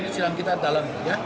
silahkan kita ketahui